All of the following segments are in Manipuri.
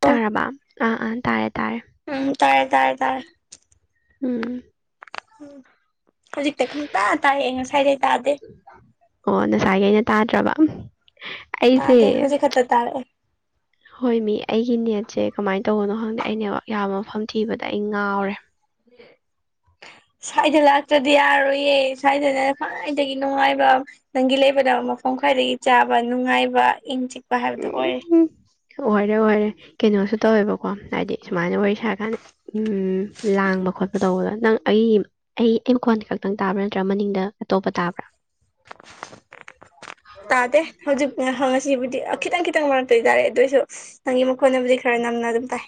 ꯑꯣ ꯇꯥꯔꯥꯔꯕ ꯑꯥ ꯑꯥ ꯇꯥꯔꯦ ꯇꯥꯔꯦ ꯇꯥꯏꯌꯦ ꯇꯥꯏꯌꯦꯦ ꯇꯥꯏꯌꯦ ꯎꯝ ꯎꯝ ꯍꯧꯖꯤꯛꯇꯤ ꯈꯪꯇꯥ ꯇꯥꯏ ꯑꯩ ꯉꯁꯥꯏꯗꯩ ꯇꯥꯗꯦ ꯑꯣ ꯉꯁꯥꯏꯒꯤ ꯑꯩꯅ ꯇꯥꯗ꯭ꯔꯕ ꯑꯩꯁꯦ ꯇꯥꯗꯦ ꯍꯧꯖꯤꯛ ꯈꯠꯇꯔ ꯇꯥꯔꯦ ꯍꯣꯏ ꯃꯤ ꯑꯩꯒꯤ ꯅꯦꯠꯁꯦ ꯀꯃꯥꯏꯅ ꯇꯧꯕꯅꯣ ꯈꯪꯗꯦ ꯑꯩꯅꯦ ꯌꯥꯝ ꯃꯐꯝ ꯊꯤꯕꯗ ꯑꯩ ꯉꯥꯎꯔꯦ ꯍ ꯁ꯭ꯋꯥꯏꯗ ꯂꯥꯛꯇ꯭ꯔꯗꯤ ꯌꯥꯔꯣꯏꯌꯦ ꯁ꯭ꯋꯥꯏꯗꯅꯦ ꯈ꯭ꯋꯥꯏꯗꯒꯤ ꯅꯨꯡꯉꯥꯏꯕ ꯅꯪꯒꯤ ꯂꯩꯕꯗ ꯃꯐꯝ ꯈ꯭ꯋꯥꯏꯗꯒꯤ ꯆꯥꯕ ꯅꯨꯡꯉꯥꯏꯕ ꯏꯪ ꯆꯤ ꯎꯝ ꯋꯥꯔꯦ ꯋꯥꯔꯦ ꯀꯩꯅꯣꯁꯨ ꯇꯧꯋꯦꯕꯀꯣ ꯍꯥꯏꯗꯤ ꯁꯨꯃꯥꯏꯅ ꯋꯥꯔꯤ ꯁꯥꯔꯀꯥꯟꯗ ꯂꯥꯡꯕ ꯈꯣꯠꯄ ꯇꯧꯕꯗꯣ ꯅꯪ ꯑꯩ ꯑꯩ ꯑꯩ ꯃꯈꯣꯟꯗ ꯈꯛꯇꯪ ꯇꯥꯕ꯭ꯔꯥ ꯅꯠꯇ꯭ꯔꯥ ꯃꯅꯤꯡꯗ ꯑꯇꯣꯞꯄ ꯇꯥꯕ꯭ꯔꯥ ꯇꯥꯗꯦ ꯍꯧꯖꯤꯛꯁꯤꯕꯨꯗꯤ ꯈꯤꯇꯪ ꯈꯤꯇꯪ ꯃꯔꯛꯇꯣꯏ ꯇꯥꯔꯦ ꯑꯗꯨꯑꯣꯏꯁꯨ ꯅꯪꯒꯤ ꯃꯈꯣꯟꯅꯕꯨꯗꯤ ꯈꯔ ꯅꯝꯅ ꯑꯗꯨꯝ ꯇꯥꯏ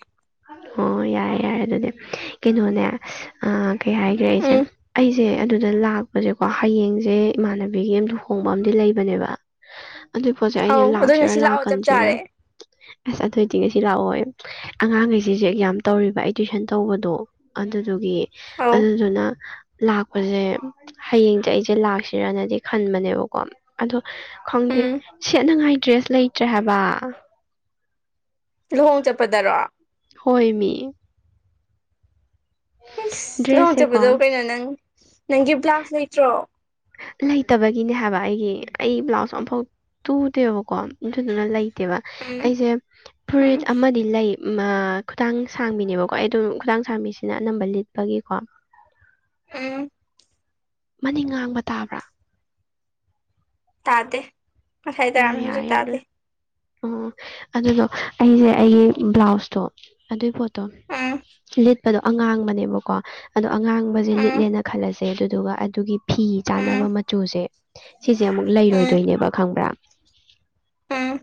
ꯍꯥꯏ ꯍꯥꯏꯔꯦ ꯑꯗꯨꯗꯤ ꯀꯩꯅꯣꯅꯦ ꯀꯩ ꯍꯥꯏꯈ꯭ꯔꯦ ꯑꯩꯁꯦ ꯎꯝ ꯑꯩꯁꯦ ꯑꯗꯨꯗ ꯂꯥꯛꯄꯁꯦ ꯀꯣ ꯍꯌꯦꯡꯁꯦ ꯏꯃꯥꯟꯅꯕꯤꯒꯤ ꯑ ꯂꯨꯍꯣꯡꯕ ꯑꯝ ꯂꯩꯕꯅꯦꯕ [inaudible] ꯑꯗꯨꯏ ꯄꯣꯠꯁꯦ ꯑꯩꯁꯦ ꯑꯧ ꯑꯗꯣ ꯂꯥꯛꯁꯤꯔꯥ ꯉꯁꯤ ꯂꯥꯛꯑꯣ ꯆꯞ ꯂꯥꯛꯀꯟꯁꯤꯔ ꯆꯥꯔꯦ ꯑꯁ ꯑꯗꯨꯏ ꯇꯤꯡꯁꯤ ꯂꯥꯛꯑꯣꯏ ꯑꯉꯥꯡꯈꯩꯁꯤꯁꯨ ꯑꯦꯛ ꯌꯥꯝ ꯇꯧꯔꯤꯕ ꯑꯩ ꯇꯨꯋꯏꯁꯟ ꯇꯧꯕꯗꯣ ꯑꯗꯨ ꯑꯗꯨꯒꯤ ꯑꯧ ꯑꯗꯨꯗꯨꯅ ꯂꯥꯛꯄꯁꯦ ꯍꯌꯦꯡꯁꯦ ꯑꯩꯁꯦ ꯂꯥꯛꯁꯤꯔꯅꯗꯤ ꯈꯟꯕꯅꯦ ꯣ ꯑꯣ ꯈꯪꯗꯦ ꯎꯝ ꯁꯦꯠꯅꯉꯥꯏ ꯗ꯭ꯔꯦꯁ ꯂꯩꯇ꯭ꯔꯦ ꯍꯥꯏꯕ ꯂꯨꯍꯣꯡ ꯆꯠꯄꯗꯔꯣ ꯍꯣꯏ ꯃꯤ ꯏꯁꯁ ꯗ꯭ꯔꯦꯁꯁꯦꯀꯣ ꯂꯧꯖꯕꯗꯣ ꯀꯩꯅꯣ ꯅꯪ ꯅꯪꯒꯤ ꯕ꯭ꯂꯥ ꯂꯩꯇ꯭ꯔꯣ ꯂꯩꯇꯕꯒꯤꯅꯦ ꯍꯥꯏꯕ ꯑꯩꯒꯤ ꯑꯩ ꯕ꯭ꯂꯥꯎꯁ ꯑꯃꯝꯐꯥꯎ ꯇꯨꯗꯦꯕꯀꯣ ꯏꯟꯊꯗꯨꯅ ꯂꯩꯇꯦꯕ ꯎꯝ ꯑꯩꯁꯦ ꯎꯝ ꯐꯨꯔꯤꯠ ꯑꯃꯗꯤ ꯂꯩ ꯈꯨꯇꯥꯡ ꯁꯥꯡꯕꯤꯅꯦꯕꯀꯣ ꯑꯩ ꯑꯗꯨꯝ ꯈꯨꯗꯥꯥꯡ ꯁꯥꯡꯕꯤꯁꯤꯅ ꯑꯅꯝꯕ ꯂꯤꯠꯄꯒꯤꯀꯣ ꯎꯝ ꯃꯅꯤꯡ ꯉꯥꯡꯕ ꯇꯥꯕ꯭ꯔꯥ ꯇꯗ ꯃ ꯊꯥꯏꯗꯔ ꯑꯣ ꯍꯧ ꯎꯆꯛ ꯌꯥꯔꯦ ꯇꯗ ꯌꯥꯔꯦ ꯑꯣ ꯑꯗꯨꯗꯣ ꯑꯩꯁꯦ ꯑꯩꯒꯤ ꯕ꯭ꯂꯥꯎꯁꯇꯣ ꯑꯗꯨꯏ ꯄꯣꯠꯇ ꯎꯝ ꯑ ꯂꯤꯠꯄꯗꯣ ꯑꯉꯥꯡꯕꯅꯦꯕꯀꯣ ꯑꯗꯣ ꯑꯉꯥꯡꯕꯁꯦ ꯎꯝ ꯂꯤꯠꯂꯦꯅ ꯈꯜꯂꯁꯦ ꯁꯦ ꯑꯗꯨꯗꯨꯒ ꯑꯗꯨꯒꯤ ꯐꯤ ꯎꯝ ꯆꯥꯅꯕ ꯃꯆꯨꯁꯦ ꯁꯤꯁꯦ ꯑꯃꯨꯛ ꯂꯩꯔꯣꯏꯗꯣꯏꯅꯦꯕ ꯈꯪꯕ꯭ꯔꯥ ꯑꯝ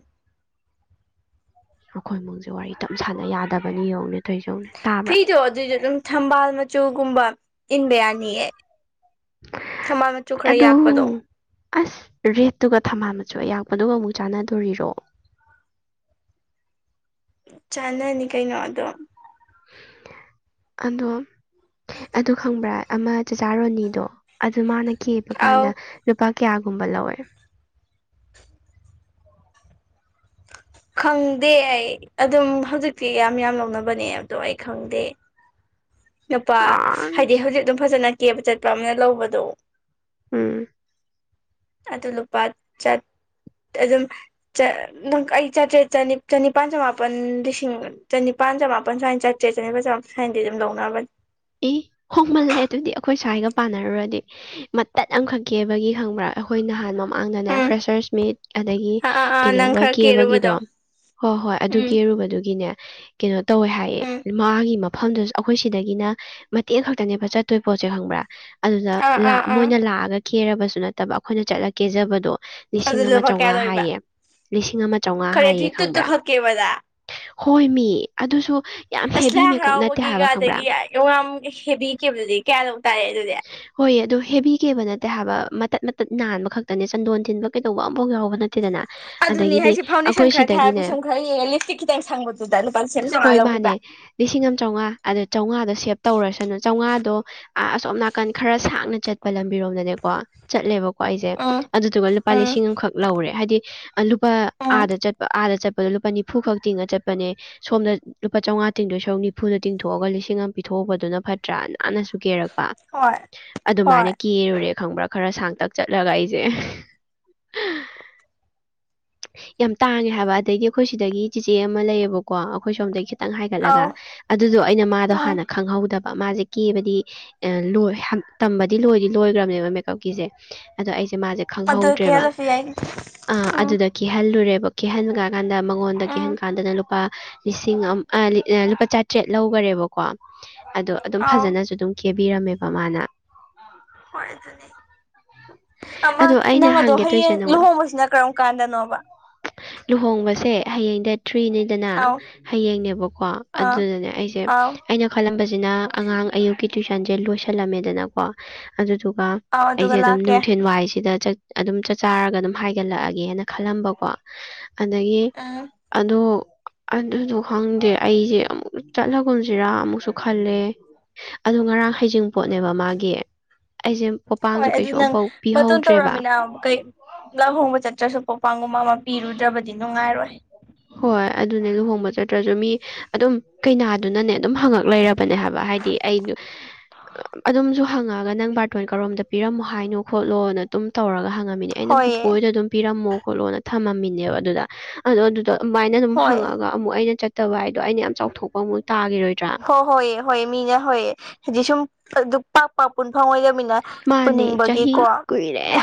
ꯑꯩꯈꯣꯏ ꯃꯑꯣꯡꯁꯦ ꯋꯥꯔꯤ ꯇꯞ ꯁꯥꯟꯅ ꯌꯥꯗꯕꯅꯤ ꯌꯦꯡꯧꯅꯦ ꯐꯤꯗꯣ ꯑꯗꯨꯏꯁꯨ ꯑꯗꯨꯝ ꯊꯝꯕꯥꯜ ꯃꯆꯨꯒꯨꯝꯕ ꯏꯟꯕ ꯌꯥꯅꯤꯌꯦ ꯊꯝꯕꯥꯜ ꯃꯆꯨ ꯈꯔ ꯑꯗꯨ ꯌꯥꯛꯄꯗꯣ ꯑꯁ ꯔꯦꯠꯇꯨꯒ ꯊꯝꯃꯜꯂꯁꯨ ꯑꯌꯥꯛꯄꯗꯨꯒ ꯑꯃꯨꯛ ꯆꯥꯟꯅꯗꯣꯔꯤꯔꯣ [unintelligible] ꯆꯥꯟꯅꯅꯤ ꯀꯩꯅꯣ ꯑꯗꯣ ꯑꯗꯣ ꯑꯗꯨ ꯈꯪꯕ꯭ꯔꯥ ꯑꯃ ꯆꯆꯥꯔꯣꯅꯤꯗꯣ ꯑꯗꯨ ꯃꯥꯅ ꯀꯦꯕ ꯑꯥꯎ ꯀꯥꯟꯗ ꯂꯨꯄꯥ ꯀꯌꯥꯒꯨꯝꯕ ꯂꯧꯋꯦ ꯈꯪꯗꯦ ꯑꯩ ꯑꯗꯨꯝ ꯍꯧꯖꯤꯛꯇꯤ ꯌꯥꯝ ꯌꯥꯝ ꯂꯧꯅꯕꯅꯦ ꯑꯗꯣ ꯑꯩ ꯈꯪꯗꯦ ꯅꯨꯄꯥ ꯑꯁ ꯍꯥꯏꯗꯤ ꯍꯧꯖꯤꯛ ꯑꯗꯨꯝ ꯐꯖꯅ ꯀꯦꯕ ꯆꯠꯄ ꯑꯃꯅ ꯂꯧꯕꯗꯣ ꯎꯝ ꯑꯗꯨ ꯂꯨꯄꯥ ꯆꯠ ꯑ ꯑꯗꯨꯝ ꯆ ꯑ ꯆ ꯆ ꯆꯅꯤ ꯆꯅꯤ ꯄꯥꯟ ꯆ ꯃꯥꯄꯟ ꯆꯅꯤ ꯄ ꯄꯥꯟꯖꯃ ꯃꯥꯄ ꯁꯨꯏꯅ ꯆꯅꯤꯄꯟꯖꯃ ꯃꯥꯟ ꯁ꯭ꯥꯏꯟꯗꯤ ꯑꯗꯨꯝ ꯂꯧꯅꯕꯅꯤ ꯏ ꯍꯣꯡꯃꯜꯂꯦ ꯑꯗꯨꯗꯤ ꯑꯩꯈꯣꯏ ꯁ꯭ꯋꯥꯏꯒ ꯄꯥꯟꯅꯔꯨꯔꯗꯤ ꯃꯇꯠ ꯑꯃꯈꯛꯀꯤꯦꯕꯒꯤ ꯊꯪꯕ꯭ꯔꯥ ꯑꯩꯈꯣꯏ ꯅꯍꯥꯟ ꯃꯃꯥꯡꯗꯅꯦ ꯎꯝ ꯐ꯭ꯔꯦꯁꯔꯁ ꯃꯤꯠ ꯑꯗꯒꯤ ꯑꯥ ꯑꯥ ꯑꯥ ꯅꯪ ꯀꯩꯅꯣꯒ ꯈꯔ ꯀꯦꯔꯨꯕꯗꯣ ꯀꯦꯕꯒꯤꯗꯣ ꯍꯣꯏ ꯍꯣꯏ ꯑꯗꯨꯒꯤ ꯎꯝ ꯑꯔꯨꯕꯗꯨꯒꯤꯅꯦ ꯀꯩꯅꯣ ꯇꯧꯋꯦ ꯍꯥꯏꯌꯦ ꯎꯝ ꯃꯥꯒꯤ ꯃꯐꯝꯗꯨꯁꯨ ꯑꯩꯈꯣꯏ ꯁꯤꯗꯒꯤꯅ ꯃꯇꯦꯛ ꯈꯛꯇꯅꯦꯕ ꯆꯠꯇꯣꯏ ꯄꯣꯠꯁꯦ ꯈꯪꯕ꯭ꯔꯥ ꯑꯗꯨꯗ ꯑꯥ ꯑꯥ ꯑꯥ ꯃꯣꯏꯅ ꯂꯥꯛꯑꯒ ꯀꯦꯔꯕꯁꯨ ꯅꯠꯇꯕ ꯑꯩꯈꯣꯏꯅ ꯆꯠꯂ ꯀꯦꯖꯕꯗꯣ ꯑꯗꯨ ꯂꯤꯁꯤꯡ ꯑꯃ ꯂꯨꯄꯥ ꯀꯌꯥ ꯆꯥꯝꯉꯥ ꯂꯧꯔꯤꯕ ꯍꯥꯏꯌꯦ ꯂꯤꯁꯤꯡ ꯑꯃ ꯆꯥꯝꯉꯥ ꯈꯔ ꯍꯥꯏꯌꯦ ꯑꯗꯨꯏ ꯇꯨꯠꯇꯨ ꯈꯪꯕ꯭ꯔꯥ ꯈꯛ ꯀꯦꯕꯗ ꯍꯣꯏ ꯃꯤ ꯑꯗꯨꯁꯨ ꯌꯥꯝ ꯑꯁ ꯂꯥꯏ ꯍꯦꯚꯤ ꯃꯦꯀꯞ ꯅꯠꯇꯦ ꯍꯔꯥꯎꯕꯒꯤꯒ ꯍꯥꯏꯕ ꯈꯪꯕ꯭ꯔꯥ ꯑꯗꯒꯤ ꯌꯥꯝ ꯍꯦꯕꯤꯈꯤꯕꯗꯨꯗꯤ ꯀꯌꯥꯅꯣ ꯍꯣꯏ ꯑꯗꯣ ꯍꯦꯕꯤ ꯀꯦꯕ ꯅꯠꯇꯦ ꯍꯥꯏꯕ ꯇꯠ ꯃꯇꯠ ꯅꯥꯟꯕ ꯈꯛꯇꯅꯦ ꯆꯟꯗꯣꯟ ꯊꯤꯟꯕ ꯀꯩꯗꯧꯕ ꯑ ꯑꯃꯐꯥꯎ ꯌꯥꯎꯕ ꯅꯠꯇ ꯗꯅ ꯑꯗꯨꯅꯤ ꯑꯗꯒꯤꯗꯤ ꯍꯥꯏꯁꯦ ꯐꯥꯎꯟꯗꯦꯁꯟ ꯑꯩꯈꯣꯏ ꯈꯔ ꯊꯥꯔ ꯁꯤꯗꯒꯤꯅꯦ ꯄꯤꯁꯨꯝ ꯈꯔ ꯌꯦꯡꯉ ꯂꯤꯞꯁꯇꯤꯛ ꯈꯤꯇꯪ ꯁꯪꯕꯗꯨꯗ ꯂꯨꯄꯥ ꯂꯤꯁꯤꯡ ꯑꯃ ꯍꯣꯏ ꯆꯥꯝꯃꯉꯥ ꯅꯦ ꯂꯧꯔꯤꯕ ꯂꯤꯁꯤꯡ ꯑꯃ ꯆꯥꯝꯃꯉꯥ ꯑꯗꯨꯗ ꯆꯥꯝꯃꯉꯥꯗꯣ ꯁꯦꯞ ꯇꯧꯔꯁꯅꯨ ꯆꯥꯝꯃꯉꯥꯗꯣ ꯑ ꯑꯁꯣꯝ ꯅꯥꯀꯟ ꯈꯔ ꯁꯥꯥꯡ ꯊꯥꯛꯅ ꯆꯠꯄ ꯂꯝꯕꯤꯔꯣꯝꯗꯅꯦꯀꯣ ꯆꯠꯂꯦꯕꯀꯣ ꯑꯩꯁꯦ ꯎꯝ ꯑꯗꯨꯗꯨꯒ ꯂꯨꯄꯥ ꯎꯝ ꯂꯤꯁꯤꯡ ꯑꯃꯈꯛ ꯂꯧꯔꯦ ꯍꯥꯏꯗꯤ ꯂꯨꯄꯥ ꯎꯝ ꯑꯥꯗ ꯆꯠꯄ ꯑꯥꯗ ꯆꯠꯄ ꯣ ꯂꯨꯄꯥ ꯅꯤꯐꯨꯈꯛ ꯇꯤꯡꯉ ꯆꯠꯄꯅꯦ ꯁꯣꯝ ꯂꯨꯄꯥ ꯆꯥꯝꯃꯉꯥ ꯇꯤꯡꯗꯣꯏ ꯁꯛ ꯅꯤꯐꯨꯅ ꯇꯤꯡꯊꯣꯛꯑꯒ ꯂꯤꯁꯤꯡ ꯑꯃ ꯄꯤꯊꯣꯛ ꯍꯧꯕꯗꯨꯅ ꯐꯠꯇ꯭ꯔꯥ ꯅꯥꯟꯅꯁꯨ ꯀꯦꯔꯛꯄ ꯍꯣꯏ ꯍꯣꯏ ꯑꯗꯨꯃꯥꯏꯅ ꯀꯦꯔꯨꯔꯦ ꯈꯪꯕ꯭ꯔꯥ ꯈꯔ ꯁꯥꯡꯇꯛ ꯆꯠꯂꯒ ꯑꯩꯁꯦ ꯌꯥꯝ ꯇꯥꯡꯉꯦ ꯍꯥꯏꯕ ꯑꯗꯩꯗꯤ ꯑꯩꯈꯣꯏ ꯁꯤꯗꯒꯤ ꯆꯦꯆꯦ ꯑꯃ ꯂꯩꯌꯦꯕꯀꯣ ꯑꯩꯈꯣꯏ ꯁꯣꯝꯗꯗꯒꯤ ꯈꯤ ꯈꯤꯇꯪ ꯍꯥꯏꯒꯠꯂꯒ ꯑꯧ ꯑꯗꯨꯗꯣ ꯑꯩꯅ ꯃꯥꯗꯣ ꯎꯝ ꯍꯥꯟꯅ ꯈꯪꯍꯧꯗꯕ ꯃꯥꯁꯦ ꯀꯦꯕꯗꯤ ꯂꯣꯏ ꯇꯝꯕꯗꯤ ꯂꯣꯏꯗꯤ ꯂꯣꯏꯈ꯭ꯔꯕꯅꯦꯕ ꯃꯦꯀꯞꯀꯤꯁꯦ ꯑꯗꯣ ꯑꯩꯁꯦ ꯃꯥꯁꯦ ꯑꯗꯨ ꯈꯪꯍꯧꯗ꯭ꯔꯦꯕ ꯀꯦꯍꯜꯂꯁꯨ ꯌꯥꯏ ꯑ ꯎꯝ ꯑꯗꯨꯗ ꯀꯤꯍꯜꯂꯨꯔꯦꯕ ꯀꯤꯍꯟ ꯀ ꯀꯥꯟꯗ ꯃꯉꯣꯟꯗ ꯀꯦꯍꯟ ꯎꯝ ꯀꯥꯟꯗꯅ ꯂꯨꯄꯥ ꯂꯤꯁꯤꯡ ꯂꯨꯄꯥ ꯆꯥꯇ꯭ꯔꯦꯠ ꯂꯧꯈꯔꯦꯕꯀꯣ ꯑꯗꯣ ꯑꯗꯨꯝ ꯑꯥꯎ ꯐꯖꯅꯁꯨ ꯑꯗꯨꯝ ꯈꯦꯕꯤꯔꯝꯃꯦꯕ ꯃꯥꯅ ꯍꯣꯏ ꯑꯗꯨꯅꯤ ꯑꯃ ꯑꯗꯣ ꯑꯩꯅ ꯅꯪ ꯑꯗꯣ ꯍꯪꯒꯦ ꯇꯧꯔꯤꯁꯦ ꯍꯌꯦꯡ ꯅꯉꯣꯟ ꯂꯨꯍꯣꯡꯕꯁꯤꯅ ꯀꯔꯝ ꯀꯥꯟꯗꯅꯣꯕ ꯂꯨꯍꯣꯡꯕꯁꯦ ꯍꯌꯦꯡꯗ ꯊ꯭ꯔꯤꯅꯤꯗꯅ ꯑꯥꯎ ꯍꯌꯦꯡꯅꯦꯕꯀꯣ ꯑꯥ ꯑꯗꯨꯗꯅꯦ ꯑꯩꯁꯦ ꯑꯥꯎ ꯑꯩꯅ ꯈꯜꯂꯝꯕꯁꯦ ꯁꯤꯅ ꯑꯉꯥꯡ ꯑꯌꯨꯛꯀꯤ ꯇ꯭ꯋꯏꯁꯟꯁꯦ ꯂꯣꯏꯁꯜꯂꯝꯃꯦꯗꯅꯀꯣ ꯑꯗꯨꯗꯨ ꯑꯥꯎ ꯑꯗꯨꯒꯒꯂꯀꯦ ꯍꯥꯏꯁꯤꯗ ꯑꯗꯨꯝ ꯆꯥꯛ ꯆꯥꯔꯒ ꯑꯗꯨꯝ ꯍꯥꯏꯒꯠꯂꯛꯑꯒꯦꯅ ꯈꯜꯂꯝꯕꯀꯣ ꯑꯗꯒꯤ ꯎꯝ ꯑꯗꯣ ꯑꯗꯨꯗꯣ ꯈꯪꯗꯦ ꯑꯩꯁꯦ ꯑꯃꯨꯛ ꯆꯠꯂꯒꯨꯝꯁꯤꯔꯥ ꯑꯃꯨꯛꯁꯨ ꯈꯜꯂꯦ ꯑꯗꯣ ꯉꯔꯥꯡ ꯍꯩꯖꯤꯡꯄꯣꯠꯅꯦꯕ ꯃꯥꯒꯤ ꯑꯩꯁꯦ ꯄꯄꯥꯡꯁꯨ ꯀꯩꯁꯨ ꯑꯃꯝꯐꯧ ꯃꯇꯨꯡ ꯇꯧꯔꯛꯃꯤꯅ ꯀꯩ ꯂꯍꯣꯡꯕ ꯆꯠꯇ꯭ꯔꯁꯨꯣꯛ ꯄꯥꯡꯒꯨꯝ ꯑꯃ ꯄꯤꯔꯨꯗ꯭ꯔꯕꯗꯤ ꯅꯨꯡꯉꯥꯏꯔꯣꯏ ꯅꯠꯇ꯭ꯔꯁꯨ ꯃꯤ ꯑꯗꯨꯝ ꯀꯩꯅꯥꯗꯨꯅꯅꯦ ꯑꯗꯨꯝ ꯍꯪꯉꯛ ꯂꯩꯔꯕꯅꯦ ꯍꯥꯏꯕ ꯍꯥꯏꯗꯤ ꯑꯩꯗ ꯑꯗꯨꯝꯁꯨ ꯍꯪꯉꯒ ꯅꯪ ꯕꯥꯔꯇꯣꯟ ꯀꯔꯣꯝꯗ ꯄꯤꯔꯝꯃꯣ ꯍꯥꯏꯅꯣ ꯈꯣꯠꯂꯣꯅ ꯑꯗꯨꯝ ꯇꯧꯔꯒ ꯍꯪꯉ ꯑꯩꯅ ꯕꯨ ꯍꯣꯏꯌꯦ ꯄꯤꯝꯃ ꯈꯂꯣ ꯊꯝꯝꯃꯤꯅꯦꯕ ꯑꯗꯨ ꯑꯗꯣ ꯑꯗꯨꯃꯥꯏꯅ ꯑꯗꯨꯝ ꯍꯣꯏ ꯍꯪꯉꯒ ꯑꯃꯨꯛ ꯑꯩꯅ ꯆꯠꯇꯕ ꯍꯥꯏꯗꯣ ꯑꯩꯅ ꯌꯥꯝ ꯆꯥꯎꯊꯣꯛꯄ ꯑꯃꯨꯛ ꯇꯥꯈꯤꯔꯣꯏꯗ꯭ꯔꯥ ꯍ ꯍꯣꯏꯌꯦ ꯍꯣꯏꯌꯦ ꯃꯤꯅ ꯍꯌꯦ ꯁꯗꯨ ꯄꯄ ꯐꯪꯉꯣꯏꯗꯃꯤꯅ ꯃꯥꯅꯦ ꯆꯍꯤ ꯄꯨꯅꯤꯡꯕꯒꯤꯀꯣ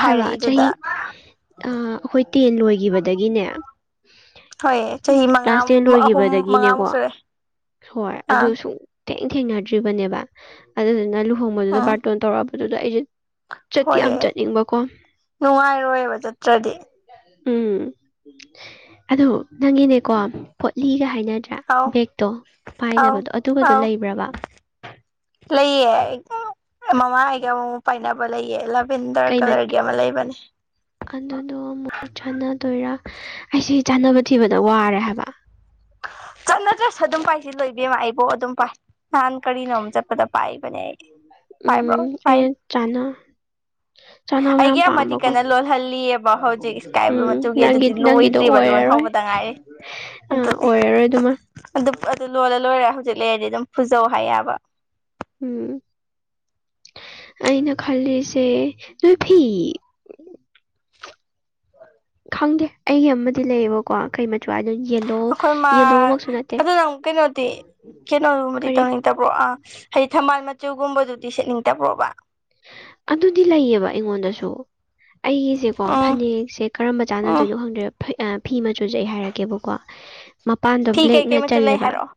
ꯍꯥꯏꯔꯛꯏꯗꯨꯗ ꯑ ꯑꯩꯈꯣꯏ ꯇꯦꯟ ꯂꯣꯏꯈꯤꯕꯗꯒꯤꯅꯦ ꯍꯣꯏ ꯆꯍꯤ ꯃꯉꯥ ꯀ꯭ꯂꯥꯁ ꯇꯦꯟ ꯑꯍꯨꯝ ꯂꯣꯏꯈꯤꯕꯗꯒꯤꯅꯦꯀꯣ ꯃꯉꯥꯃꯨꯛ ꯁꯨꯔꯦ ꯍꯣꯏ ꯑꯥ ꯑꯗꯨ ꯁꯨꯝ ꯊꯦꯡ ꯊꯦꯡꯅꯗ꯭ꯔꯤꯕꯅꯦꯕ ꯑꯗꯨꯗꯨꯅ ꯂꯨꯍꯣꯡꯕꯗꯨꯗ ꯑꯥ ꯕꯥꯔꯇꯣꯟ ꯇꯧꯔꯛꯑꯕꯗꯨꯗ ꯑꯩꯁꯦ ꯆꯠꯇꯤ ꯌꯥꯝ ꯍꯣꯏꯌꯦ ꯆꯠꯅꯤꯡꯕꯀꯣ ꯅꯨꯡꯉꯥꯏꯔꯣꯏꯕ ꯆꯠꯇ꯭ꯔꯗꯤ ꯎꯝ ꯑꯗꯣ ꯅꯪꯒꯤꯅꯦꯀꯣ ꯄꯣꯠꯂꯤꯒ ꯍꯥꯏꯅꯗ꯭ꯔꯥ ꯑꯥꯎ ꯕꯦꯛꯇꯣ ꯑꯥꯎ ꯄꯥꯏꯅꯕꯗꯣ ꯑꯗꯨꯒꯗꯣ ꯑꯥꯎ ꯂꯩꯕ꯭ꯔꯕ ꯂꯩꯌꯦ ꯃꯃꯥ ꯌꯥ ꯑꯃꯨꯛ ꯄꯥꯏꯅꯕ ꯂꯩꯌꯦ ꯂꯦꯚꯦꯟꯗꯔ ꯀꯩ ꯃꯆꯨ ꯀꯂꯔꯒꯤ ꯑꯃ ꯂꯩꯕꯅꯦ ꯑꯗꯨꯗꯣ ꯑꯃꯨꯛ ꯆꯥꯟꯅꯗꯣꯏꯔꯥ ꯑꯩꯁ ꯆꯥꯅꯕ ꯊꯤꯕꯗ ꯋꯥꯔꯦ ꯍꯥꯏꯕ ꯆꯠꯅꯗ꯭ꯔꯁꯨ ꯑꯗꯨꯝ ꯄꯥꯏꯁꯤ ꯂꯣꯏꯕꯤꯝꯃ ꯑꯩꯕꯣ ꯑꯗꯨꯝ ꯄꯥꯏ ꯅꯍꯥꯟ ꯀꯔꯤꯅꯣꯛ ꯆꯠꯄꯗ ꯄꯥꯏꯕꯅꯦ ꯑꯩ ꯄꯥꯏꯕ꯭ꯔꯣ ꯎꯝ ꯆꯅꯕ ꯌꯥꯝ ꯑꯩꯒꯤ ꯑꯃꯗꯤ ꯄꯥꯝꯕꯀꯣ ꯀꯟꯅ ꯂꯣꯜꯍꯜꯂꯤꯑꯕ ꯍꯧꯖꯤꯛ ꯏꯁꯀꯥꯏ ꯕ꯭ꯂꯨ ꯎꯝ ꯃꯆꯨꯒꯤ ꯅꯪꯒꯤ ꯑꯗꯨꯗꯤ ꯅꯪꯒꯤꯗꯣ ꯂꯣꯏꯗ꯭ꯔꯤꯕ ꯂꯣꯟ ꯑꯣꯏꯔꯔꯣꯏ ꯍꯧꯕꯗ ꯉꯥꯏꯔꯤ ꯑ ꯑꯗꯨꯅꯦ ꯑꯣꯏꯔꯔꯣꯏ ꯑꯗꯨꯃ ꯑꯗꯨ ꯑꯗꯨ ꯂꯣꯜꯂ ꯂꯣꯏꯔꯦ ꯍꯧꯖꯤꯛ ꯂꯩꯔꯗꯤ ꯑꯗꯨꯝ ꯐꯖꯧ ꯍꯥꯏꯌꯦꯕ ꯎꯝ ꯑꯩꯅ ꯈꯜꯂꯤꯁꯦ ꯅꯣꯏ ꯐꯤ ꯈꯪꯗꯦ ꯑꯩꯒꯤ ꯑꯃꯗꯤ ꯂꯩꯌꯦꯕꯀꯣ ꯀꯩ ꯃꯆꯨ ꯍꯥꯏꯗꯣ ꯌꯦꯜꯂꯣ ꯑꯩꯈꯣꯏ ꯃꯥ ꯑꯗꯨꯅꯨꯛ ꯀꯩꯅꯣꯗꯤ ꯀꯩꯅꯣꯃꯗꯤ ꯀꯔꯤ ꯇꯧꯅꯤꯡꯗꯕ꯭ꯔꯣ ꯑꯥ ꯍꯥꯏꯗꯤ ꯊꯝꯕꯥꯜ ꯆꯨꯒꯨꯝꯕ ꯖꯣꯇꯁꯠꯅꯤꯡꯇꯕ꯭ꯔꯣꯕ ꯑꯗꯨꯗꯤ ꯂꯩꯌꯦꯕ ꯑꯩꯉꯣꯟꯗꯁꯨ ꯑꯩꯒꯤꯁꯦꯀꯣ ꯎꯝ ꯐꯅꯦꯛꯁꯦ ꯀꯔꯝꯕ ꯎꯝ ꯆꯥꯟꯅꯗꯣꯏꯅꯣ ꯈꯪꯗ꯭ꯔꯦ ꯐꯤ ꯃ ꯆꯨꯖꯩ ꯍꯥꯏꯔꯛꯒꯦꯕꯀꯣ ꯃꯄꯥꯟꯗꯣ ꯐꯤ ꯕ꯭ꯂꯦꯛꯅ ꯀꯩꯀꯩ ꯃꯆꯨ ꯂꯩ ꯆꯜꯂꯦꯕ ꯍꯥꯏꯔꯛꯑꯣ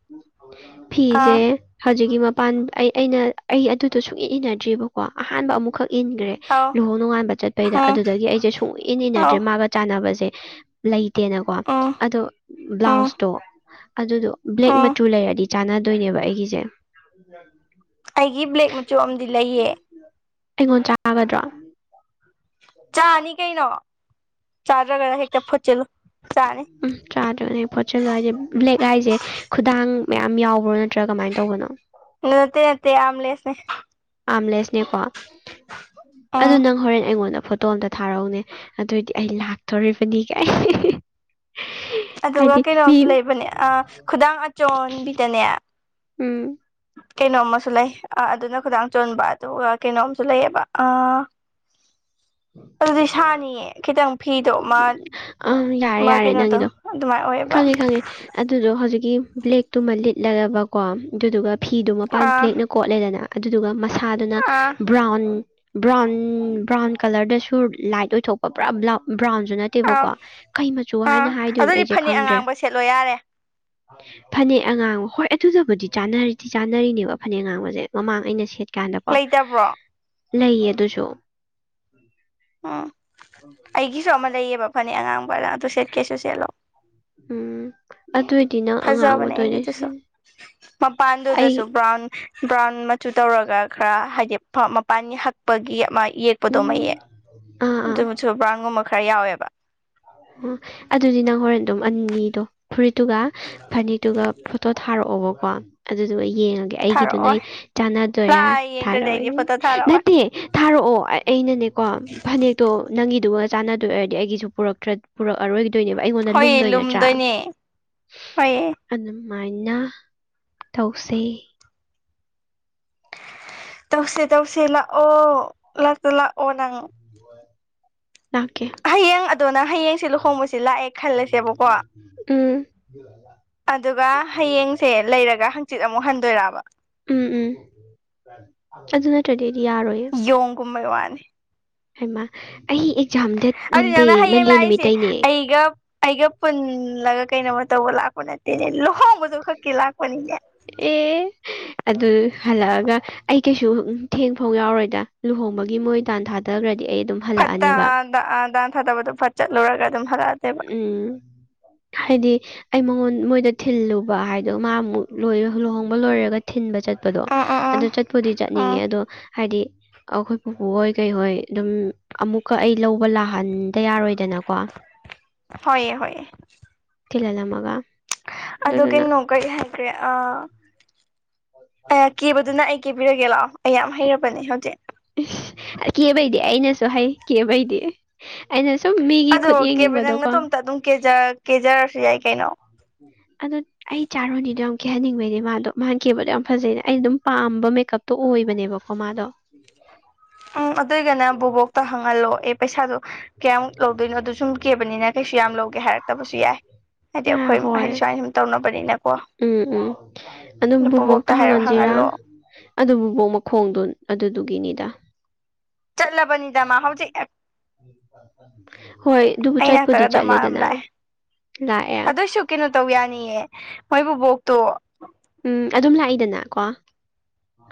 ꯐꯤꯖꯦ ꯑꯥ ꯍꯧꯖꯤꯛꯀꯤ ꯃꯥ ꯥꯟ ꯑꯩ ꯑꯩꯅ ꯑꯩ ꯑꯗꯨꯗꯣ ꯁꯨꯛꯌꯦꯠ ꯏꯅꯗ꯭ꯔꯤꯕꯀꯣ ꯑꯍꯥꯟꯕ ꯑꯃꯨꯛꯈꯛ ꯏꯟꯈ꯭ꯔꯦ ꯑꯧ ꯂꯨꯍꯣꯡ ꯅꯣꯛꯉꯥꯟꯕ ꯆꯠꯄꯩꯗ ꯎꯝ ꯑꯗꯨꯗꯒꯤ ꯑꯩꯁꯦ ꯁꯨꯛ ꯏꯟ ꯑꯧ ꯏꯟꯅꯗ꯭ꯔꯦ ꯃꯥꯒ ꯆꯥꯟꯅꯕꯁꯦ ꯂꯩꯇꯦꯅꯀꯣ ꯎꯝ ꯑꯗꯣ ꯎꯝ ꯕ꯭ꯂꯥꯎꯁꯇꯣ ꯑꯗꯨꯗꯣ ꯕ꯭ꯂꯦꯛ ꯎꯝ ꯃꯆꯨ ꯂꯩꯔꯗꯤ ꯆꯥꯟꯅꯗꯣꯏꯅꯦꯕ ꯑꯩꯒꯤꯁꯦ ꯑꯩꯒꯤ ꯕ꯭ꯂꯦꯛ ꯃꯆꯨ ꯑꯃꯗꯤ ꯂꯩꯌꯦ ꯑꯩꯉꯣꯟ ꯆꯥꯒꯗ꯭ꯔꯣ ꯆꯥꯅꯤ ꯀꯩꯅꯣ ꯍꯥꯏ ꯐꯣꯆꯜꯂꯣ ꯎꯝ ꯆꯥꯗ꯭ꯔꯅꯦ ꯐꯣꯠꯆꯜꯂꯣ ꯍꯥꯏꯁꯦ ꯕ꯭ꯂꯦꯛ ꯍꯥꯏꯁꯦ ꯈꯨꯗꯥꯡ ꯃꯌꯥꯝ ꯌꯥꯎꯕ ꯅꯠꯇ ꯅꯠꯇ ꯑꯝ ꯂꯦꯁꯅꯦ ꯑꯥꯝꯂꯦꯁꯅꯦꯀꯣ ꯑꯗꯨ ꯎꯝ ꯅꯪ ꯍꯣꯔꯦꯟ ꯑꯩꯉꯣꯟꯗ ꯐꯣꯇꯣ ꯑꯝꯇ ꯊꯥꯔꯛꯎꯅꯦ ꯑꯗꯨꯑꯣꯏꯗꯤ ꯑꯩ ꯂꯥꯛꯇꯣꯔꯤꯕꯅꯤ ꯀꯩ ꯑꯗꯨꯒ ꯀꯩꯅꯣꯝꯁꯨ ꯂꯩꯕꯅꯦ ꯑ ꯈꯨꯗꯥꯡ ꯑꯆꯣꯟꯕꯤꯗꯅꯦ ꯎꯝ ꯀꯩꯅꯣꯝꯃꯨ ꯂꯩ ꯑ ꯑꯗꯨꯅ ꯈꯨꯗꯥꯡ ꯆꯣꯟꯕ ꯑꯗꯨꯒ ꯀꯩꯅꯣꯝꯁꯨ ꯂꯩꯌꯦꯕ ꯑꯥ [unintelligible] ꯑꯗꯨꯗꯤ ꯁꯥꯅꯤꯌꯦ ꯈꯤꯇꯪ ꯐꯤꯗꯣ ꯃꯥ ꯑꯪ ꯃꯥ ꯀꯩꯅꯣꯗꯣ ꯑꯗꯨꯃꯥꯏꯅ ꯑꯣꯏꯌꯦꯕ ꯈꯉꯦ ꯑꯗꯨꯗꯣ ꯍꯧꯖꯤꯛ ꯕ꯭ꯂꯦꯛꯇꯨ ꯂꯤꯠꯂꯕꯀꯣ ꯑꯗꯨꯗꯨꯒ ꯐꯤꯗꯨ ꯃꯄꯥꯟ ꯑꯥ ꯕ꯭ꯂꯦꯛꯅ ꯀꯣꯠꯂꯦꯗꯅ ꯑꯗꯨꯗꯨ ꯁꯥꯗꯨꯅ ꯑꯥ ꯕ꯭ꯔꯥꯎꯟ ꯕ꯭ꯔꯥꯎꯟ ꯕ꯭ꯔꯥꯎꯟ ꯀꯂꯔꯗꯁꯨ ꯂꯥꯏꯠ ꯑꯣꯏꯊꯣꯛꯄ ꯄꯨꯔꯥ ꯕ꯭ꯔꯥꯎꯟ ꯑꯥꯎ ꯅꯠꯇꯦꯕꯀꯣ ꯀꯩ ꯃꯆꯨ ꯑꯥ ꯍꯥꯏꯅ ꯍꯥꯏꯗꯣꯏꯅꯣ ꯑꯗꯨꯗꯤ ꯑꯩꯁꯦ ꯐꯅꯦꯛ ꯈꯪꯗ꯭ꯔꯦ ꯑꯉꯥꯡꯕ ꯁꯦꯠꯂꯣ ꯌꯥꯔꯦ ꯐꯅꯦꯛ ꯑꯉꯥꯡꯕ ꯍꯣꯏ ꯑꯗꯨꯗꯕꯨꯗꯤ ꯆꯥꯅꯔꯗꯤ ꯆꯥꯅꯔꯤꯅꯦꯕ ꯐꯅꯦꯛ ꯑꯉꯥꯡꯕꯁꯦ ꯃꯃꯥꯡ ꯑꯩꯅ ꯁꯦꯠꯀꯦ ꯀꯌꯥꯗꯅꯕꯣ ꯂꯩꯇꯕ꯭ꯔꯣ ꯂꯩꯌꯦ ꯑꯗꯨꯁꯨ ꯎꯝ ꯑꯩꯒꯤꯁꯨ ꯑꯃ ꯂꯩꯌꯦꯕ ꯐꯅꯦꯛ ꯑꯉꯥꯡꯕꯔ ꯑꯗꯨ ꯁꯦꯠꯀꯦꯁꯨ ꯁꯦꯠꯂꯣ ꯎꯝ ꯑꯗꯨꯑꯣꯏꯗꯤ ꯅꯪ ꯐꯖꯕꯅꯦ ꯑꯉꯥꯡꯕꯗ ꯑꯣꯏꯅ ꯑꯩꯒꯤꯗꯨꯁꯨ ꯁꯤꯖꯤꯟꯅ ꯑꯩ ꯃꯄꯥꯟꯗꯨꯗꯁꯨ ꯕ꯭ꯔꯥꯎꯟ ꯕ꯭ꯔꯥꯎꯟ ꯃꯆꯨ ꯇꯧꯔꯒ ꯈꯔ ꯍꯥꯏꯗꯤ ꯃꯄꯥꯟꯒꯤ ꯍꯛꯄꯒꯤ ꯑꯃ ꯌꯦꯛꯄꯗꯣ ꯎꯝ ꯃꯩꯑ ꯑꯥ ꯃꯆꯨ ꯃꯆꯨ ꯕ꯭ꯔꯥꯡꯒꯨꯝꯕ ꯈꯔ ꯌꯥꯎꯋꯦꯕ ꯑꯣ ꯑꯗꯨꯗꯤ ꯅꯪ ꯍꯣꯔꯦꯟ ꯑꯗꯨꯝ ꯑꯅꯤꯗꯣ ꯐꯨꯔꯤꯠꯇꯨꯒ ꯐꯅꯤꯠꯇꯨꯒ ꯐꯣꯇꯣ ꯊ ꯊꯥꯔꯛꯑꯣꯕꯀꯣ ꯑꯗꯨꯗ ꯑꯩ ꯌꯦꯡꯉꯒꯦ ꯑꯩꯒꯤꯗꯨ ꯅ ꯊꯥꯔꯛꯑꯣ ꯑꯩ ꯆꯥꯟꯅꯗꯣꯏꯔꯥ ꯂꯥꯛꯑ ꯌꯦꯡꯗ꯭ꯔꯗꯤ ꯑꯩꯗꯤ ꯊꯥꯔꯛꯑꯣꯏꯅꯦ ꯐꯣꯇꯣ ꯊꯥꯔꯛꯑꯣꯏ ꯅꯠꯇꯦ ꯊꯥꯔꯛꯑꯣ ꯑꯩꯅꯅꯦꯀꯣ ꯐꯅꯦꯛꯇꯣ ꯅꯪꯒꯤꯗꯨꯒ ꯆꯥꯟꯅꯗꯣꯏ ꯑꯣꯏꯔꯗꯤ ꯑꯩꯒꯤꯁꯨꯔ꯭ꯔ ꯄꯨꯛ ꯑꯔꯣꯏꯗꯣꯏꯅꯦꯕ ꯑꯩꯉꯣꯟꯗ ꯍꯣꯏ ꯂꯨꯝꯗꯣꯏ ꯅꯠꯇ꯭ꯔꯥ ꯂꯨꯝꯗꯣꯏꯅꯦ ꯍꯣꯏ ꯑꯗꯨꯝ ꯁꯨꯃꯥꯏꯅ ꯇꯧꯁꯩ ꯇꯧꯁ ꯇꯧꯁꯤꯦ ꯂꯥꯛꯑꯣ ꯂꯥꯛꯇꯣ ꯂꯥꯛꯑꯣ ꯅꯪ [unintelligible] ꯍꯌꯦꯡ ꯑꯗꯨꯗꯣꯅ ꯍꯌꯦꯡꯁ ꯂꯨꯍꯣꯡꯕꯁꯤ ꯂꯥꯛꯑꯦ ꯈꯜꯂꯁꯦꯕꯀꯣ ꯎꯝ ꯑꯗꯨꯒ ꯍꯌꯦꯡꯁꯦ ꯂꯩꯔꯒ ꯍꯪꯆꯤꯠ ꯑꯃꯨꯛ ꯍꯟꯗꯣꯏꯔꯕ ꯎꯝ ꯎꯝ ꯑꯗꯨ ꯅꯠꯇꯗꯤ ꯌꯣꯡꯒꯨꯝꯕ ꯋꯥꯅꯤ ꯍꯃ ꯌꯥꯝꯖꯝꯗꯦꯠ ꯑꯗꯨꯗꯤ ꯅꯪꯅ ꯍꯌꯦꯡ ꯂꯥꯛꯏꯁꯦ ꯑꯩꯒ ꯑꯩꯒ ꯄꯨꯜꯂꯒ ꯀꯩꯅꯣꯝꯃ ꯇꯧꯕ ꯂꯥꯛꯄ ꯀꯠꯇꯦꯅꯦꯅꯣ ꯑꯦ ꯑꯗꯨ ꯍꯜꯂꯛꯑꯒ ꯑꯩ ꯀꯩꯁꯨ ꯊꯦꯡ ꯐꯥꯎ ꯌꯥꯎꯔꯣꯏꯗ ꯂꯨꯍꯣꯡꯕꯒꯤ ꯃꯣꯏ ꯟ ꯊꯥꯗꯈ꯭ꯔꯗꯤ ꯑꯩ ꯑꯗꯨꯝ ꯐꯠꯇ ꯍꯜꯂꯛꯑꯅꯦꯕ ꯑ ꯗꯥꯟ ꯊꯥꯗꯕꯗꯣ ꯐꯠ ꯆꯠꯂꯨꯔꯒ ꯑꯗꯨꯝ ꯍꯂꯑ ꯎꯝ ꯍꯥꯏꯗꯤ ꯑꯩ ꯃꯉꯣꯟ ꯃꯣꯏꯗ ꯊꯤꯜꯂꯨꯕ ꯍꯥꯏꯗꯣ ꯃꯥ ꯑꯃꯨꯛ ꯂꯣꯏ ꯂꯨꯍꯣꯡꯕ ꯂꯣꯏꯔꯒ ꯊꯤꯟꯕ ꯆꯠꯄꯗꯣ ꯎꯝ ꯎꯝ ꯎꯝ ꯑꯗ ꯆꯠꯄꯨꯗꯤ ꯎꯝ ꯆꯠꯅꯤꯡꯉꯦ ꯑꯗꯣ ꯍꯥꯏꯗꯤ ꯑꯩꯈꯣꯏ ꯄꯨꯄꯨ ꯍꯣꯏ ꯀꯩꯍꯣꯏ ꯑꯗꯨꯝ ꯑꯃꯨꯛꯀ ꯑꯩ ꯂꯧꯕ ꯂꯥꯛ ꯐꯍꯟꯗ ꯌꯥꯔꯣꯏꯗꯅꯀꯣ ꯍꯣꯏꯑ ꯍꯣꯏꯌꯦ ꯊꯤꯂꯂ ꯃꯒ ꯑꯗꯣ ꯀꯩꯅꯩꯅꯣ ꯀꯔꯤ ꯍꯥꯏꯈ꯭ꯔꯦ ꯑ ꯀꯤꯕꯗꯨ ꯅꯪ ꯑꯩ ꯀꯦꯕꯤꯔꯒꯦ ꯂꯥꯛꯑꯣ ꯑꯩ ꯌꯥꯝ ꯍꯩꯔꯕꯅꯦ ꯍꯧꯖꯤꯛ ꯀꯦꯕꯩꯗꯤ ꯑꯩꯅꯁꯨ ꯍꯩ ꯀꯦꯕꯩꯗꯤ ꯑꯩꯅ ꯁꯨꯝ ꯃꯤꯒꯤ ꯑꯗꯣ ꯈꯨꯠ ꯀꯦꯕꯖꯪ ꯌꯦꯡꯅꯤꯡꯕꯗꯣꯀꯣ ꯅꯇꯣꯝꯇ ꯑꯗꯨꯝ ꯀꯦꯖꯔꯁꯨ ꯌꯥꯏ ꯀꯩꯅꯣ ꯑꯗ ꯑꯩ ꯆꯥꯔꯣꯅꯤꯗꯣ ꯌꯥꯝ ꯈꯦꯍꯟꯅꯤꯡꯕꯩꯅꯦ ꯃꯥꯗꯣ ꯃꯥꯥꯟ ꯀꯦꯕꯗꯣ ꯌꯥꯝ ꯐꯖꯩꯅꯦ ꯑꯩꯅ ꯑꯗꯨꯝ ꯄꯥꯝꯕ ꯀꯞꯇꯣ ꯑꯣꯏꯕꯅꯦꯕꯀꯣ ꯃꯥꯗꯣ ꯎꯝ ꯑꯗꯨꯏꯒꯅ ꯕꯣꯕꯣꯛꯇ ꯍꯪꯍꯜꯂꯣ ꯑꯦ ꯄꯩꯁꯥꯗꯣ ꯀꯌꯥꯃꯨꯛ ꯂꯧꯗꯣꯏꯅꯣ ꯑꯗꯨ ꯁꯨꯝ ꯀꯦꯕꯅꯤꯅ ꯀꯩꯁꯨ ꯌꯥꯝ ꯂꯧꯒꯦ ꯍꯥꯏꯔꯛꯇꯕꯁꯨ ꯌꯥꯏ ꯍꯥꯏꯗꯤ ꯑ ꯑꯩꯈꯣꯏ ꯍꯥꯏꯗꯤ ꯍꯣꯏ ꯁꯨꯃꯥꯏꯅ ꯁꯨꯝ ꯇꯧꯅꯕꯅꯤꯅ ꯎꯝ ꯎꯝ ꯑꯗꯨꯝ ꯕꯕꯣꯛꯇꯣ ꯕꯣꯕꯣꯛꯇ ꯍꯥꯏꯔꯞ ꯍꯥꯡꯍꯟꯁꯤꯔꯥ ꯍꯪꯍꯜꯂꯣ ꯑꯗꯨ ꯕꯕꯣꯛ ꯃꯈꯣꯡꯗꯣ ꯑꯗꯨꯗꯨꯒꯤꯅꯤꯗ ꯆꯠꯂꯕꯅꯤꯗꯃ ꯍꯧꯥꯎꯗꯤ ꯍꯣꯏ ꯕꯨꯨꯆꯠꯄꯗꯤ ꯆꯠꯂꯦꯗꯅ ꯂꯥꯛꯑꯦ ꯑꯗꯨꯁꯨ ꯀꯩꯅꯣ ꯇꯧ ꯌꯥꯅꯤꯑ ꯃꯣꯏꯕꯨꯕꯣꯛꯇꯣ [inaudible] ꯅꯪ ꯈꯔ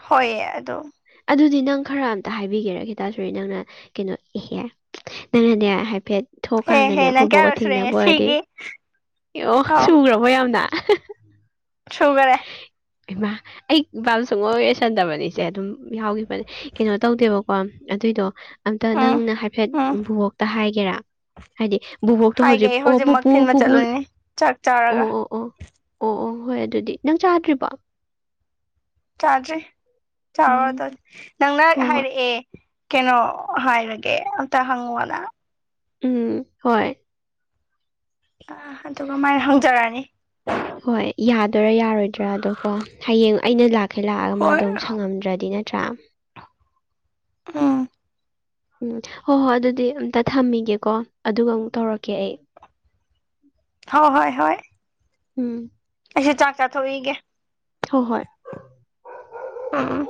ꯍꯣꯏꯌꯦ ꯑꯗꯨ ꯑꯝꯇ ꯍꯥꯏꯕꯤꯒꯦꯔꯒꯈꯤ ꯇꯁꯨꯔꯤ ꯅꯪꯅ ꯀꯩꯅꯣ ꯏꯍꯦ ꯅꯪꯅꯅꯦ ꯍꯥꯏꯐꯦꯠ ꯍꯦ ꯊꯣꯛꯀꯥꯟꯗꯅꯦ ꯍꯦ ꯅꯪ ꯑꯩꯈꯣꯏꯕꯣꯛꯒ ꯀꯌꯥꯔꯛ ꯁꯨꯔꯦ ꯊꯦꯡꯅꯕ ꯑꯣꯏꯔꯗꯤ ꯉꯁꯤꯒꯤ ꯑꯦ ꯑꯣ ꯁꯨꯈ꯭ꯔꯕꯣ ꯌꯥꯝꯅ [unintelligible] ꯁꯨꯒꯔꯦ ꯏꯃꯥ ꯑꯩ ꯏꯄꯥꯕꯨ ꯁꯨꯡꯉꯣꯏꯔꯁꯟꯗꯕꯅꯤꯁꯦ ꯑꯗꯨꯝ ꯌꯥꯎꯈꯤꯕꯅꯦ ꯀꯩꯅꯣ ꯇꯧꯗꯦꯕ ꯀ ꯑꯗꯨꯏꯗꯣ ꯑꯝꯇ ꯎꯝ ꯅꯪꯅ ꯍꯥꯏꯐꯦꯠ ꯎꯝ ꯕꯕꯣꯛꯇ ꯍꯥꯏꯒꯦꯔꯥ ꯍꯥꯏꯗꯤ ꯕꯨꯕꯣꯛꯛꯇꯣ ꯍꯥꯏꯒꯦ ꯍꯖꯤꯕ ꯑꯩ ꯑꯣ ꯍꯧꯖꯤꯛꯃꯛ ꯄꯄꯨ ꯊꯤꯟꯕ ꯄꯄꯨ ꯆꯠꯂꯨꯅꯤ ꯆꯥꯛ ꯑꯣ ꯆꯥꯔꯒ ꯑꯣ ꯑꯣ ꯑꯣ ꯑꯣ ꯍꯣꯏ ꯑꯗꯨꯗꯤ ꯅꯪ ꯆꯥꯗ꯭ꯔꯤꯕꯣ ꯆꯥꯗ꯭ꯔꯤ ꯆꯥꯔ ꯎꯝ ꯅꯪꯅ ꯍꯣꯏ ꯍꯣꯏ ꯍꯥꯏꯔꯛꯑꯦ ꯀꯩꯅꯣ ꯍꯥꯏꯔꯒꯦ ꯑꯝꯇ ꯍꯪꯉꯨꯅ ꯎꯝ ꯍꯣꯏ ꯑ ꯑꯗꯨꯒꯃꯥꯏꯅ ꯍꯪꯖꯔꯅꯤ ꯍꯣꯏ ꯌꯥꯗꯣꯏꯔꯥ ꯌꯥꯔꯣꯏꯗ꯭ꯔꯥ ꯑꯗꯣ ꯀꯣ ꯍꯌꯦꯡ ꯑꯩꯅ ꯂꯥꯛ ꯃꯈꯡꯈꯩ ꯂꯥꯛꯑꯒ ꯍꯣꯏ ꯃꯥꯗꯣ ꯁꯪꯉꯝꯗ꯭ꯔꯗꯤ ꯅꯠꯇ꯭ꯔꯥ ꯎꯝ ꯎꯝ ꯍꯣꯏ ꯍꯣꯏ ꯑꯗꯨꯗꯤ ꯑꯝꯇ ꯊꯝꯃꯤꯒꯦꯀꯣ ꯑꯗꯨꯒ ꯑꯃꯨꯛ ꯇꯧꯔꯛꯀꯦ ꯑꯩ ꯍ ꯍꯣꯏ ꯍꯣꯏ ꯎꯝ ꯑꯩꯁꯨ ꯆꯥꯛ ꯆꯥꯊꯣꯛꯏꯒꯦ ꯍ ꯍꯣꯏ ꯎꯝ ꯎꯝ